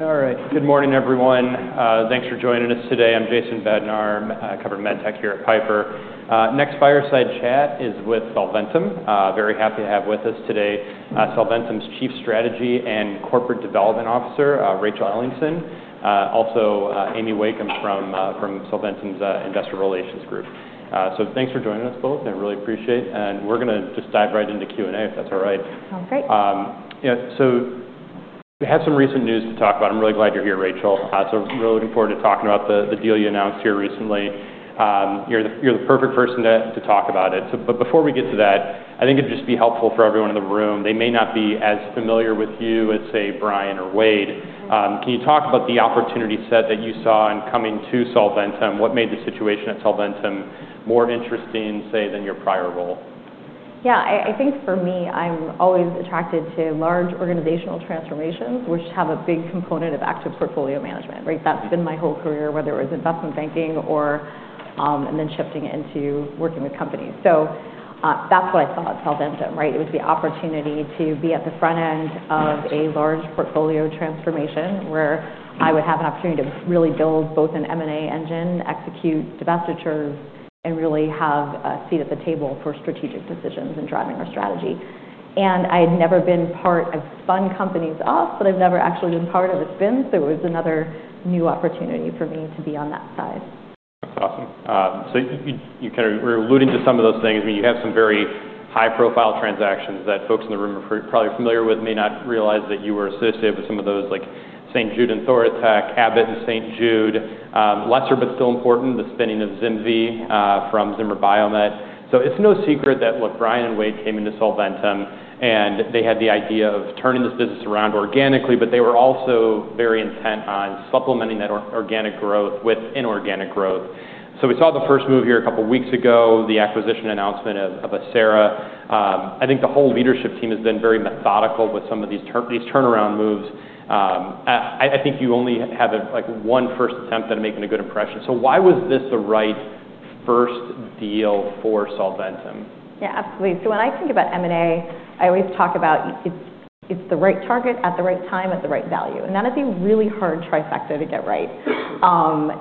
All right. Good morning, everyone. Thanks for joining us today. I'm Jason Bednar, Covered MedTech here at Piper. Next fireside chat is with Solventum. Very happy to have with us today, Solventum's Chief Strategy and Corporate Development Officer, Rachel Ellingson. Also, Amy Wakeham from Solventum's Investor Relations Group. Thanks for joining us both. I really appreciate it. We're gonna just dive right into Q&A if that's all right. Sounds great. Yeah. So we have some recent news to talk about. I'm really glad you're here, Rachel. We're looking forward to talking about the deal you announced here recently. You're the perfect person to talk about it. Before we get to that, I think it'd just be helpful for everyone in the room. They may not be as familiar with you as, say, Bryan or Wayde. Can you talk about the opportunity set that you saw in coming to Solventum? What made the situation at Solventum more interesting, say, than your prior role? Yeah. I think for me, I'm always attracted to large organizational transformations, which have a big component of active portfolio management, right? That's been my whole career, whether it was investment banking or, and then shifting into working with companies. That's what I saw at Solventum, right? It was the opportunity to be at the front end of a large portfolio transformation where I would have an opportunity to really build both an M&A engine, execute divestitures, and really have a seat at the table for strategic decisions and driving our strategy. I had never been part of fun companies off, but I've never actually been part of a spin. It was another new opportunity for me to be on that side. That's awesome. You kinda were alluding to some of those things. I mean, you have some very high-profile transactions that folks in the room are probably familiar with, may not realize that you were associated with some of those, like St. Jude and Thoratec, Abbott and St. Jude, lesser but still important, the spinning of ZimVie from Zimmer Biomet. It's no secret that, look, Bryan and Wayde came into Solventum, and they had the idea of turning this business around organically, but they were also very intent on supplementing that organic growth with inorganic growth. We saw the first move here a couple weeks ago, the acquisition announcement of Acera. I think the whole leadership team has been very methodical with some of these turnaround moves. I think you only have, like, one first attempt at making a good impression. Why was this the right first deal for Solventum? Yeah, absolutely. When I think about M&A, I always talk about it's the right target at the right time at the right value. That is a really hard trifecta to get right.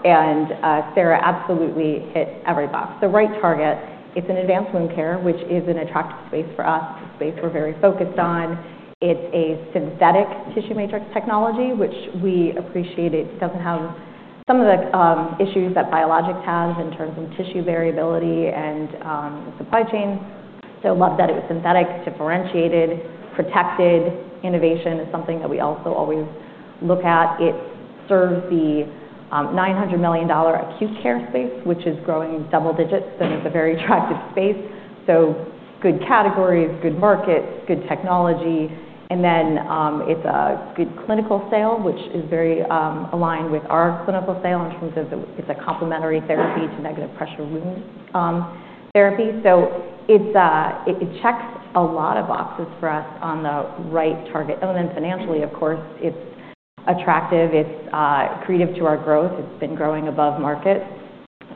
Acera absolutely hit every box. The right target, it's in advanced wound care, which is an attractive space for us. It's a space we're very focused on. It's a synthetic tissue matrix technology, which we appreciate. It doesn't have some of the issues that Biologix has in terms of tissue variability and supply chain. Love that it was synthetic, differentiated, protected. Innovation is something that we also always look at. It serves the $900 million acute care space, which is growing double digits, and it's a very attractive space. Good categories, good markets, good technology. It is a good clinical sale, which is very aligned with our clinical sale in terms of it is a complementary therapy to negative pressure wound therapy. It checks a lot of boxes for us on the right target. Financially, of course, it is attractive. It is accretive to our growth. It has been growing above market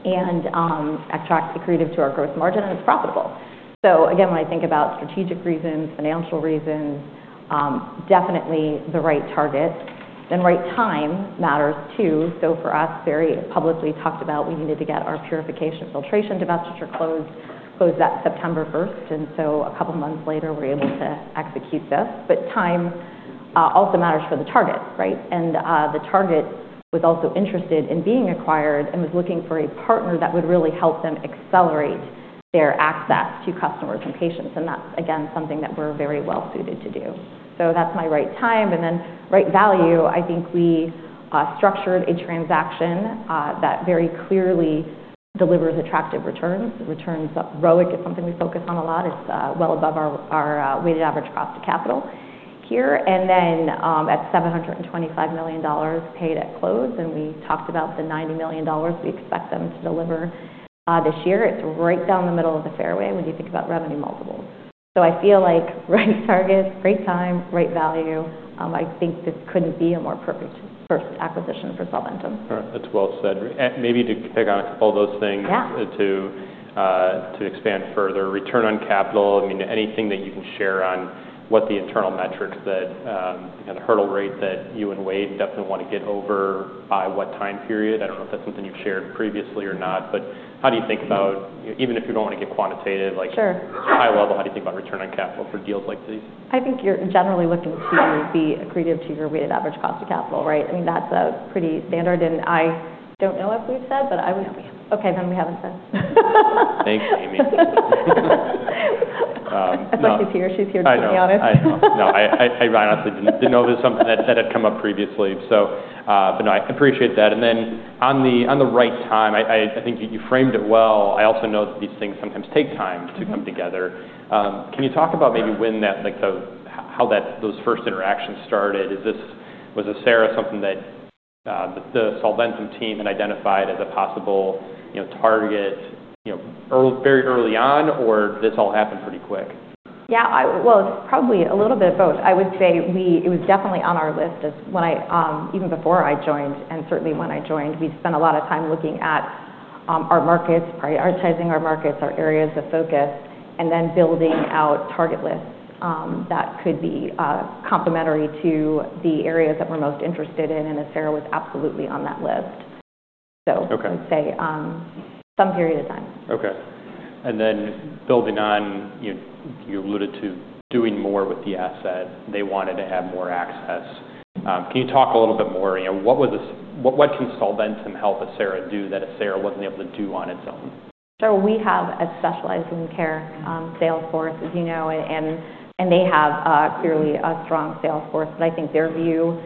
and accretive to our gross margin, and it is profitable. When I think about strategic reasons, financial reasons, definitely the right target, the right time matters too. For us, very publicly talked about, we needed to get our purification filtration divestiture closed, closed that September 1. A couple months later, we are able to execute this. Time also matters for the target, right? The target was also interested in being acquired and was looking for a partner that would really help them accelerate their access to customers and patients. That's, again, something that we're very well suited to do. That's my right time. Right value, I think we structured a transaction that very clearly delivers attractive returns. Returns that ROIC is something we focus on a lot. It's well above our weighted average cost of capital here. At $725 million paid at close, and we talked about the $90 million we expect them to deliver this year. It's right down the middle of the fairway when you think about revenue multiples. I feel like right target, right time, right value. I think this couldn't be a more perfect first acquisition for Solventum. All right. That's well said. Maybe to pick on a couple of those things. Yeah. To expand further, return on capital. I mean, anything that you can share on what the internal metrics that, kinda hurdle rate that you and Wayde definitely wanna get over by what time period? I don't know if that's something you've shared previously or not, but how do you think about, even if you don't wanna get quantitative, like. High level, how do you think about return on capital for deals like these? I think you're generally looking to be accretive to your weighted average cost of capital, right? I mean, that's pretty standard. I don't know if we've said, but I would. Okay. We haven't said. Thanks, Amy. So. As much as here, she's here too, to be honest. I know. I know. No, I honestly didn't know it was something that had come up previously. I appreciate that. On the right time, I think you framed it well. I also know that these things sometimes take time to come together. Can you talk about maybe when that, like, how those first interactions started? Was Acera something that the Solventum team had identified as a possible, you know, target, you know, early, very early on, or did this all happen pretty quick? Yeah. It's probably a little bit of both. I would say we, it was definitely on our list as when I, even before I joined, and certainly when I joined, we spent a lot of time looking at our markets, prioritizing our markets, our areas of focus, and then building out target lists that could be complementary to the areas that we're most interested in. Acera was absolutely on that list. I'd say, some period of time. Okay. And then building on, you know, you alluded to doing more with the asset. They wanted to have more access. Can you talk a little bit more? You know, what was a, what, what can Solventum help Acera do that Acera wasn't able to do on its own? We have a specialized wound care sales force, as you know, and they have clearly a strong sales force. I think their view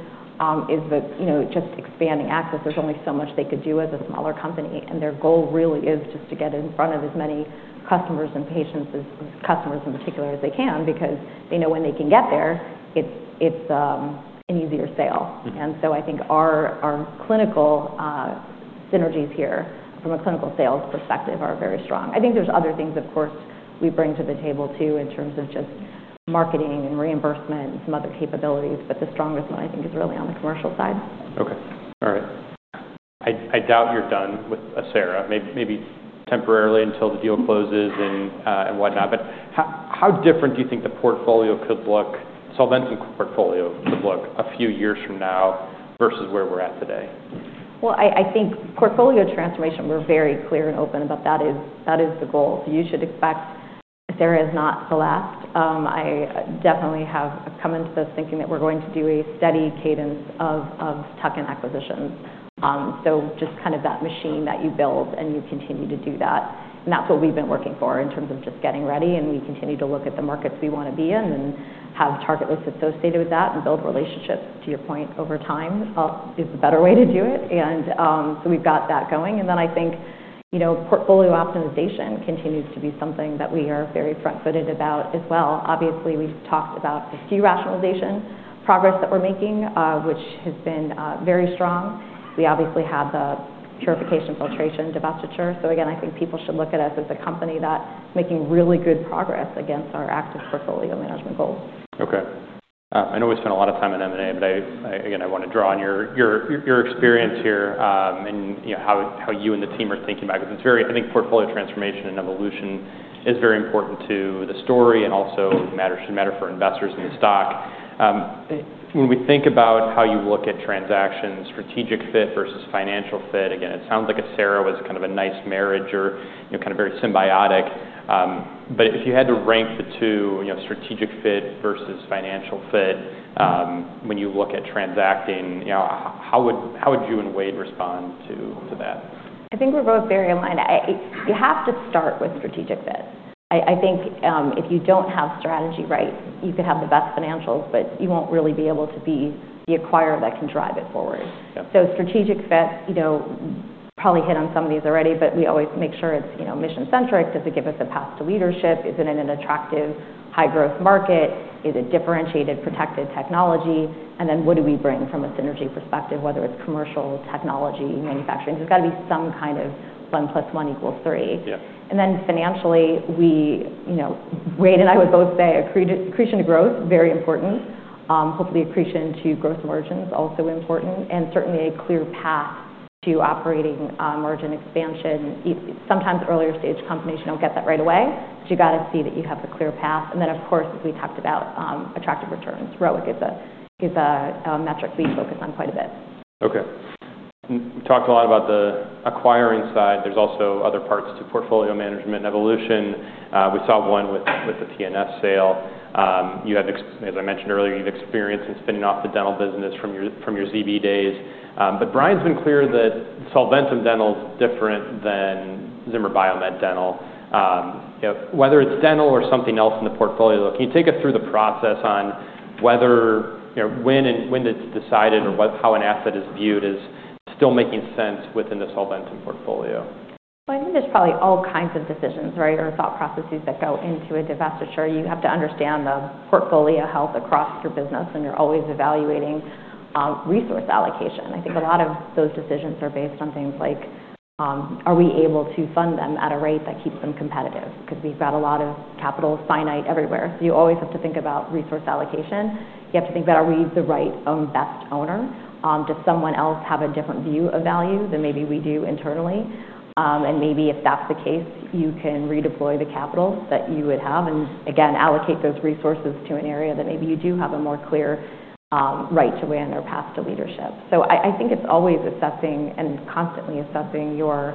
is that, you know, just expanding access, there's only so much they could do as a smaller company. Their goal really is just to get in front of as many customers and patients, customers in particular, as they can because they know when they can get there, it's an easier sale. I think our clinical synergies here from a clinical sales perspective are very strong. I think there are other things, of course, we bring to the table too in terms of just marketing and reimbursement and some other capabilities. The strongest one, I think, is really on the commercial side. Okay. All right. I doubt you're done with Acera, maybe temporarily until the deal closes and whatnot. How different do you think the portfolio could look, Solventum portfolio could look a few years from now versus where we're at today? I think portfolio transformation, we're very clear and open about that. That is, that is the goal. You should expect Acera is not the last. I definitely have come into this thinking that we're going to do a steady cadence of tuck-in acquisitions, just kind of that machine that you build and you continue to do that. That is what we've been working for in terms of just getting ready. We continue to look at the markets we want to be in and have target lists associated with that and build relationships, to your point, over time, is the better way to do it. We have that going. I think, you know, portfolio optimization continues to be something that we are very front-footed about as well. Obviously, we've talked about the derationalization progress that we're making, which has been very strong. We obviously have the purification filtration divestiture. I think people should look at us as a company that's making really good progress against our active portfolio management goals. Okay. I know we spent a lot of time on M&A, but I, again, I wanna draw on your experience here, and, you know, how you and the team are thinking about it because it's very, I think, portfolio transformation and evolution is very important to the story and also matters, should matter for investors in the stock. When we think about how you look at transactions, strategic fit versus financial fit, again, it sounds like Acera was kind of a nice marriage or, you know, kinda very symbiotic. But if you had to rank the two, you know, strategic fit versus financial fit, when you look at transacting, you know, how would you and Wayde respond to that? I think we're both very aligned. You have to start with strategic fit. I think if you don't have strategy right, you could have the best financials, but you won't really be able to be the acquirer that can drive it forward. Strategic fit, you know, probably hit on some of these already, but we always make sure it's, you know, mission-centric. Does it give us a path to leadership? Is it in an attractive, high-growth market? Is it differentiated, protected technology? And then what do we bring from a synergy perspective, whether it's commercial, technology, manufacturing? There's gotta be some kind of one plus one equals three. Financially, we, you know, Wayde and I would both say accretion to growth, very important. Hopefully accretion to gross margins also important. And certainly a clear path to operating margin expansion. Sometimes earlier stage companies don't get that right away, but you gotta see that you have a clear path. And then, of course, as we talked about, attractive returns. ROIC is a, is a, metric we focus on quite a bit. Okay. We talked a lot about the acquiring side. There's also other parts to portfolio management and evolution. We saw one with the T&S sale. You have, as I mentioned earlier, experience in spinning off the dental business from your ZB days. Bryan's been clear that Solventum Dental's different than Zimmer Biomet Dental. You know, whether it's dental or something else in the portfolio, can you take us through the process on whether, you know, when and when it's decided or how an asset is viewed as still making sense within the Solventum portfolio? I think there's probably all kinds of decisions, right, or thought processes that go into a divestiture. You have to understand the portfolio health across your business, and you're always evaluating resource allocation. I think a lot of those decisions are based on things like, are we able to fund them at a rate that keeps them competitive? Because we've got a lot of capital finite everywhere. You always have to think about resource allocation. You have to think about, are we the right own best owner? Does someone else have a different view of value than maybe we do internally? If that's the case, you can redeploy the capital that you would have and, again, allocate those resources to an area that maybe you do have a more clear right to win or path to leadership. I think it's always assessing and constantly assessing your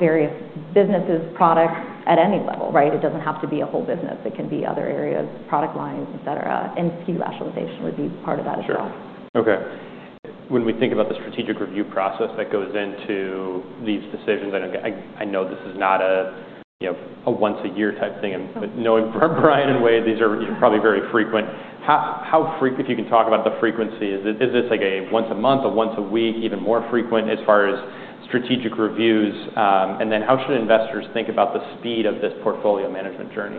various businesses, products at any level, right? It doesn't have to be a whole business. It can be other areas, product lines, etc. And derationalization would be part of that as well. Sure. Okay. When we think about the strategic review process that goes into these decisions, and again, I know this is not a, you know, a once-a-year type thing. Knowing Bryan and Wayde, these are, you know, probably very frequent. How frequent, if you can talk about the frequency? Is this like a once a month, a once a week, even more frequent as far as strategic reviews? And then how should investors think about the speed of this portfolio management journey?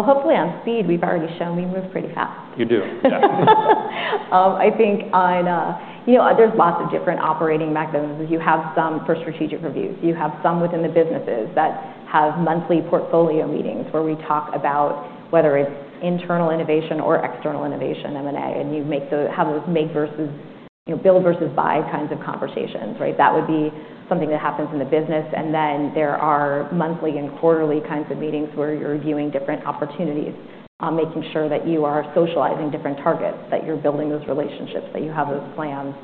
Hopefully on speed, we've already shown we move pretty fast. You do. Yeah. I think on, you know, there's lots of different operating mechanisms. You have some for strategic reviews. You have some within the businesses that have monthly portfolio meetings where we talk about whether it's internal innovation or external innovation, M&A, and you make those have those make versus, you know, build versus buy kinds of conversations, right? That would be something that happens in the business. There are monthly and quarterly kinds of meetings where you're reviewing different opportunities, making sure that you are socializing different targets, that you're building those relationships, that you have those plans.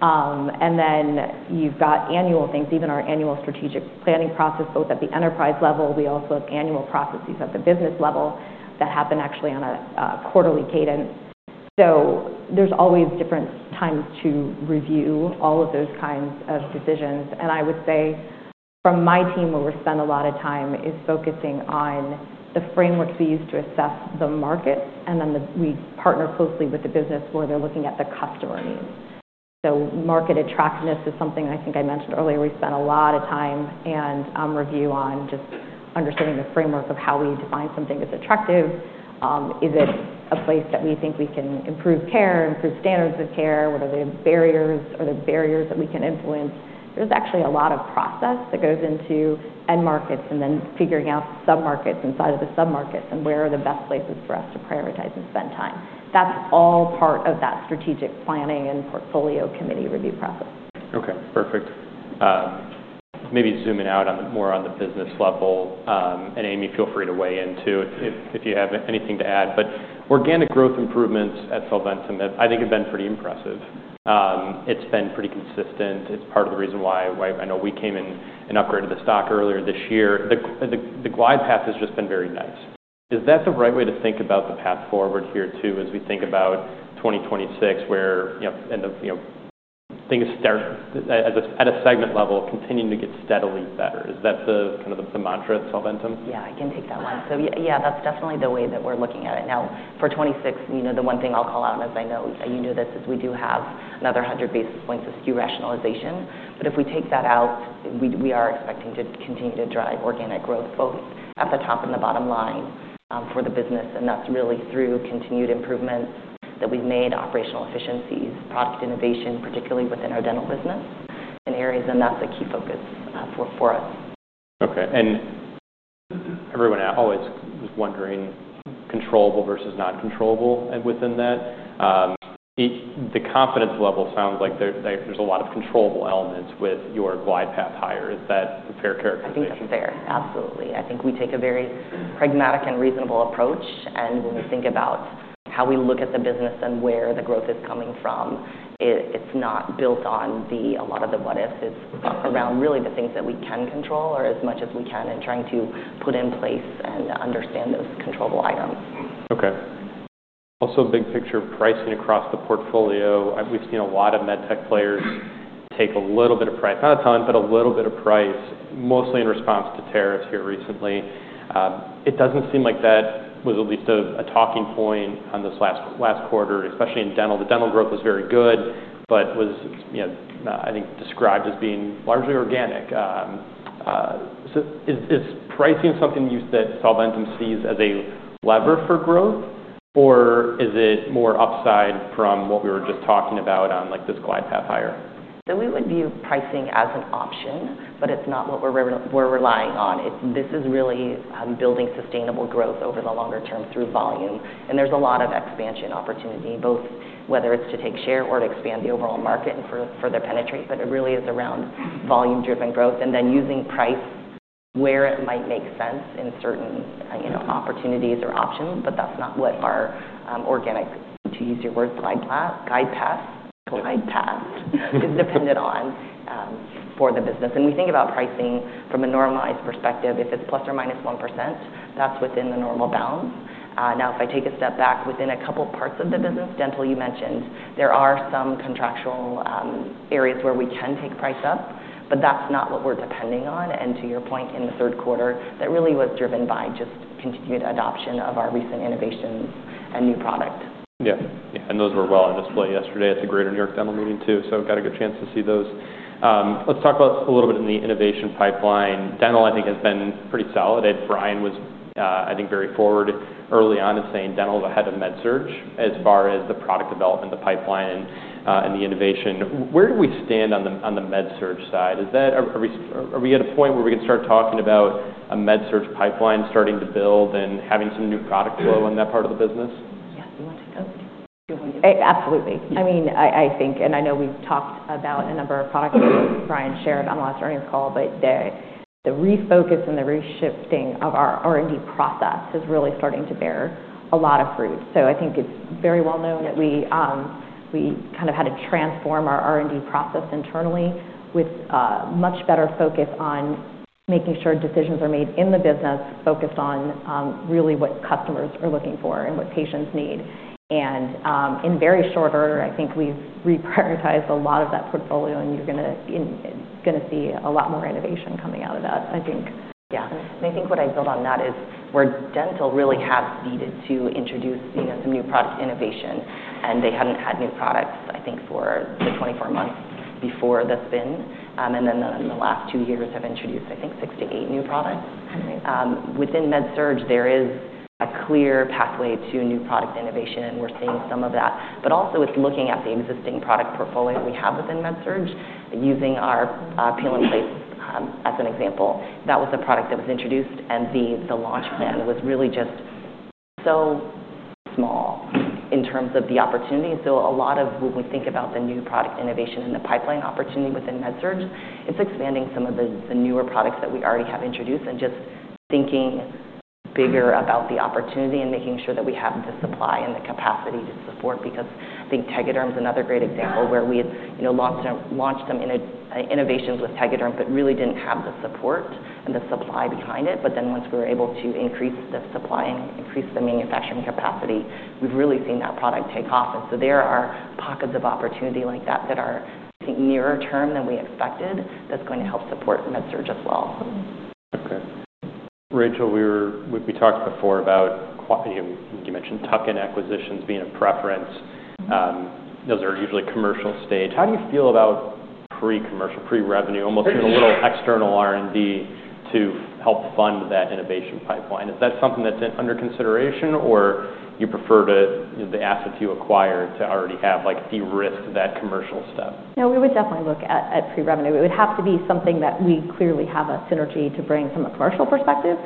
You have annual things. Even our annual strategic planning process, both at the enterprise level, we also have annual processes at the business level that happen actually on a quarterly cadence. There's always different times to review all of those kinds of decisions. I would say from my team, where we spend a lot of time is focusing on the frameworks we use to assess the market, and then we partner closely with the business where they're looking at the customer needs. Market attractiveness is something I think I mentioned earlier. We spent a lot of time and review on just understanding the framework of how we define something as attractive. Is it a place that we think we can improve care, improve standards of care? What are the barriers? Are there barriers that we can influence? There's actually a lot of process that goes into end markets and then figuring out submarkets inside of the submarkets and where are the best places for us to prioritize and spend time. That's all part of that strategic planning and portfolio committee review process. Okay. Perfect. Maybe zooming out more on the business level, and Amy, feel free to weigh in too if you have anything to add. But organic growth improvements at Solventum, I think, have been pretty impressive. It's been pretty consistent. It's part of the reason why I know we came in and upgraded the stock earlier this year. The glide path has just been very nice. Is that the right way to think about the path forward here too as we think about 2026 where, you know, things start at a segment level continuing to get steadily better? Is that kind of the mantra at Solventum? Yeah. I can take that one. Yeah, that's definitely the way that we're looking at it. Now, for 2026, you know, the one thing I'll call out, and as I know, you know this, is we do have another 100 basis points of derationalization. If we take that out, we are expecting to continue to drive organic growth both at the top and the bottom line for the business. That's really through continued improvements that we've made, operational efficiencies, product innovation, particularly within our dental business in areas. That's a key focus for us. Okay. Everyone always was wondering controllable versus not controllable within that. The confidence level sounds like there, there's a lot of controllable elements with your glide path higher. Is that a fair characterization? I think that's fair. Absolutely. I think we take a very pragmatic and reasonable approach. When we think about how we look at the business and where the growth is coming from, it's not built on a lot of the what-ifs. It is around really the things that we can control or as much as we can and trying to put in place and understand those controllable items. Okay. Also, big picture pricing across the portfolio. We've seen a lot of med tech players take a little bit of price, not a ton, but a little bit of price, mostly in response to tariffs here recently. It doesn't seem like that was at least a talking point on this last, last quarter, especially in dental. The dental growth was very good, but was, you know, I think described as being largely organic. Is pricing something you that Solventum sees as a lever for growth, or is it more upside from what we were just talking about on, like, this glide path higher? We would view pricing as an option, but it's not what we're relying on. This is really building sustainable growth over the longer term through volume. There is a lot of expansion opportunity, whether it's to take share or to expand the overall market and further penetrate. It really is around volume-driven growth and then using price where it might make sense in certain, you know, opportunities or options. That's not what our, organic, to use your word, glide path, glide path, glide path is dependent on for the business. We think about pricing from a normalized perspective. If it's plus or minus 1%, that's within the normal bounds. Now, if I take a step back, within a couple parts of the business, dental, you mentioned, there are some contractual areas where we can take price up, but that's not what we're depending on. To your point, in the third quarter, that really was driven by just continued adoption of our recent innovations and new products. Yeah. Yeah. Those were well on display yesterday at the Greater New York Dental Meeting too. Got a good chance to see those. Let's talk a little bit about the innovation pipeline. Dental, I think, has been pretty solid. I think Bryan was very forward early on in saying dental's ahead of MedSurg as far as the product development, the pipeline, and the innovation. Where do we stand on the MedSurg side? Is that a, are we at a point where we can start talking about a MedSurg pipeline starting to build and having some new product flow on that part of the business? Yes. You want to go? Absolutely. I mean, I think, and I know we've talked about a number of products that Bryan shared on the last earnings call, but the refocus and the reshifting of our R&D process has really started to bear a lot of fruit. I think it's very well known that we kind of had to transform our R&D process internally with much better focus on making sure decisions are made in the business, focused on really what customers are looking for and what patients need. In very short order, I think we've reprioritized a lot of that portfolio, and you're gonna see a lot more innovation coming out of that, I think. Yeah. I think what I build on that is where dental really has needed to introduce, you know, some new product innovation. They hadn't had new products, I think, for the 24 months before the spin. In the last two years, have introduced, I think, six to eight new products. Within MedSurg, there is a clear pathway to new product innovation, and we're seeing some of that. It is also looking at the existing product portfolio we have within MedSurg, using our Peel and Place as an example. That was a product that was introduced, and the launch plan was really just so small in terms of the opportunity. A lot of when we think about the new product innovation and the pipeline opportunity within MedSurg, it's expanding some of the newer products that we already have introduced and just thinking bigger about the opportunity and making sure that we have the supply and the capacity to support. Because I think Tegaderm's another great example where we, you know, launched some, launched some innovations with Tegaderm, but really didn't have the support and the supply behind it. Once we were able to increase the supply and increase the manufacturing capacity, we've really seen that product take off. There are pockets of opportunity like that that are, I think, nearer term than we expected that's going to help support MedSurg as well. Okay. Rachel, we were, we talked before about, you mentioned Tuck-in acquisitions being a preference. Those are usually commercial stage. How do you feel about pre-commercial, pre-revenue, almost doing a little external R&D to help fund that innovation pipeline? Is that something that's under consideration, or you prefer to, you know, the assets you acquire to already have, like, de-risk that commercial step? No, we would definitely look at pre-revenue. It would have to be something that we clearly have a synergy to bring from a commercial perspective.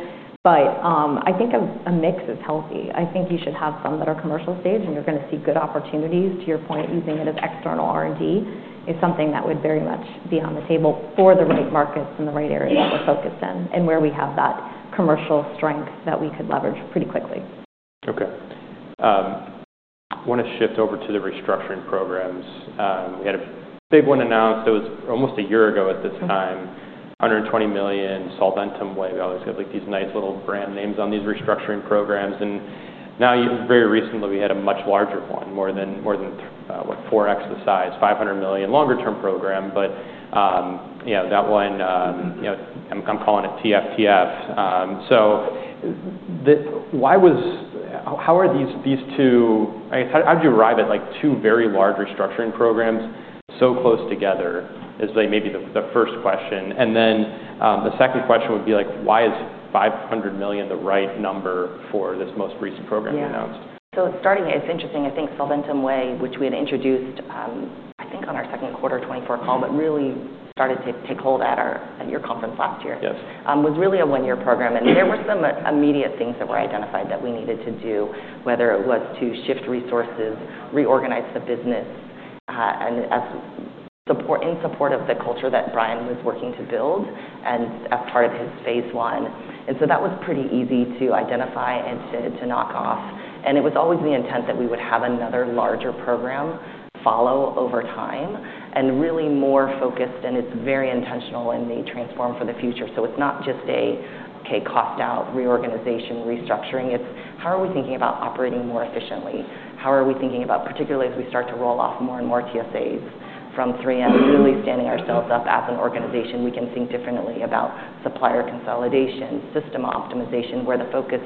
I think a mix is healthy. I think you should have some that are commercial stage, and you're gonna see good opportunities. To your point, using it as external R&D is something that would very much be on the table for the right markets and the right areas that we're focused in and where we have that commercial strength that we could leverage pretty quickly. Okay. I wanna shift over to the restructuring programs. We had a big one announced. It was almost a year ago at this time, $120 million Solventum Wayde. I always get, like, these nice little brand names on these restructuring programs. And now, very recently, we had a much larger one, more than, more than, what, 4x the size, $500 million longer-term program. But, you know, that one, you know, I'm, I'm calling it TFTF. The why was how are these, these two I guess, how, how did you arrive at, like, two very large restructuring programs so close together is, like, maybe the, the first question. The second question would be, like, why is $500 million the right number for this most recent program you announced? Yeah. Starting, it's interesting. I think Solventum Way, which we had introduced, I think on our second quarter 2024 call, but really started to take hold at our, at your conference last year. was really a one-year program. There were some immediate things that were identified that we needed to do, whether it was to shift resources, reorganize the business, and in support of the culture that Bryan was working to build and as part of his phase one. That was pretty easy to identify and to knock off. It was always the intent that we would have another larger program follow over time and really more focused. It is very intentional and may transform for the future. It is not just a, okay, cost-out reorganization, restructuring. It is how are we thinking about operating more efficiently? How are we thinking about, particularly as we start to roll off more and more TSAs from 3M, really standing ourselves up as an organization? We can think differently about supplier consolidation, system optimization, where the focus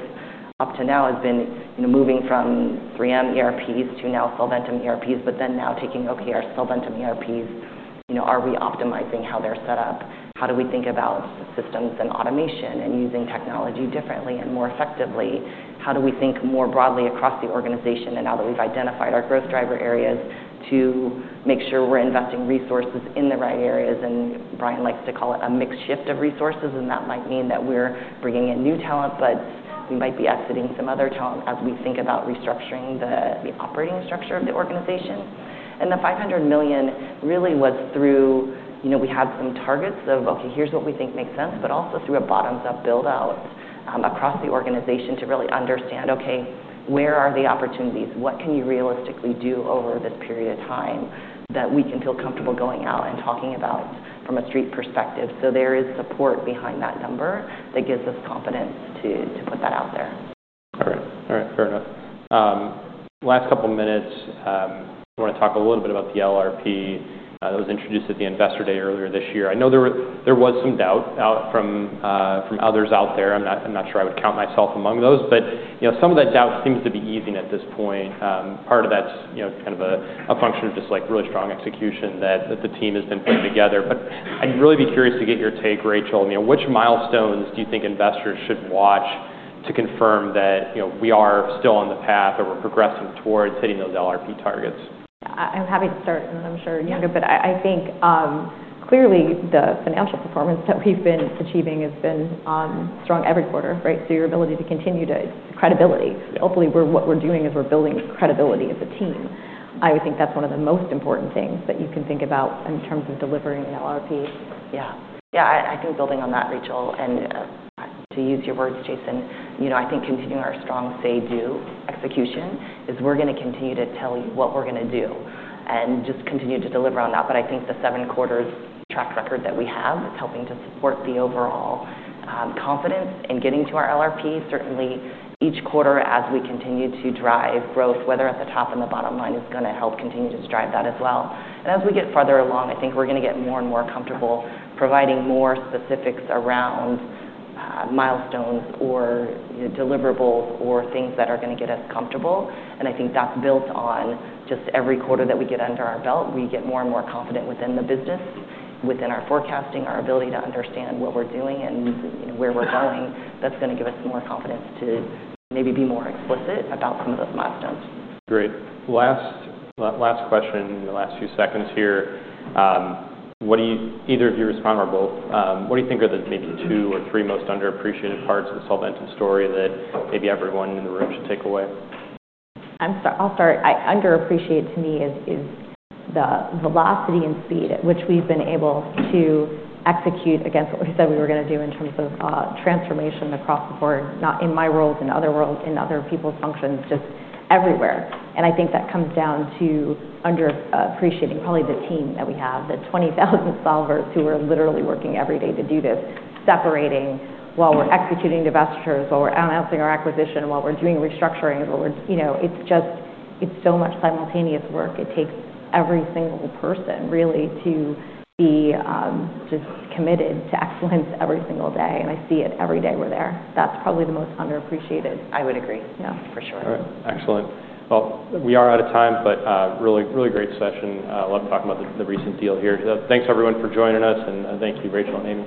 up to now has been, you know, moving from 3M ERPs to now Solventum ERPs, but then now taking, okay, our Solventum ERPs, you know, are we optimizing how they're set up? How do we think about systems and automation and using technology differently and more effectively? How do we think more broadly across the organization and now that we've identified our growth driver areas to make sure we're investing resources in the right areas? Bryan likes to call it a mixed shift of resources. That might mean that we're bringing in new talent, but we might be exiting some other talent as we think about restructuring the operating structure of the organization. The $500 million really was through, you know, we had some targets of, okay, here's what we think makes sense, but also through a bottoms-up build-out across the organization to really understand, okay, where are the opportunities? What can you realistically do over this period of time that we can feel comfortable going out and talking about from a street perspective? There is support behind that number that gives us confidence to put that out there. All right. All right. Fair enough. Last couple minutes, I wanna talk a little bit about the LRP, that was introduced at the investor day earlier this year. I know there were, there was some doubt out from, from others out there. I'm not, I'm not sure I would count myself among those. But, you know, some of that doubt seems to be easing at this point. Part of that's, you know, kind of a, a function of just, like, really strong execution that, that the team has been putting together. But I'd really be curious to get your take, Rachel. You know, which milestones do you think investors should watch to confirm that, you know, we are still on the path or we're progressing towards hitting those LRP targets? I'm happy to start, and I'm sure you're gonna, but I think, clearly the financial performance that we've been achieving has been strong every quarter, right? Your ability to continue to, credibility. Hopefully, what we're doing is we're building credibility as a team. I would think that's one of the most important things that you can think about in terms of delivering an LRP. Yeah. I think building on that, Rachel, and to use your words, Jason, you know, I think continuing our strong say-do execution is we're gonna continue to tell you what we're gonna do and just continue to deliver on that. I think the seven-quarters track record that we have is helping to support the overall confidence in getting to our LRP. Certainly, each quarter, as we continue to drive growth, whether at the top and the bottom line, is gonna help continue to drive that as well. As we get further along, I think we're gonna get more and more comfortable providing more specifics around, milestones or, you know, deliverables or things that are gonna get us comfortable. I think that's built on just every quarter that we get under our belt. We get more and more confident within the business, within our forecasting, our ability to understand what we're doing and, you know, where we're going. That's gonna give us more confidence to maybe be more explicit about some of those milestones. Great. Last, last question, the last few seconds here. What do you, either of you respond or both, what do you think are the maybe two or three most underappreciated parts of the Solventum story that maybe everyone in the room should take away? I'm sorry. I'll start. I underappreciate to me is, is the velocity and speed at which we've been able to execute against what we said we were gonna do in terms of transformation across the board, not in my roles, in other roles, in other people's functions, just everywhere. I think that comes down to underappreciating probably the team that we have, the 20,000 solvers who are literally working every day to do this, separating while we're executing divestitures, while we're announcing our acquisition, while we're doing restructurings, you know, it's just, it's so much simultaneous work. It takes every single person really to be just committed to excellence every single day. I see it every day we're there. That's probably the most underappreciated. I would agree. Yeah. For sure. All right. Excellent. We are out of time, but really, really great session. Love talking about the recent deal here. Thanks everyone for joining us, and thank you, Rachel and Amy.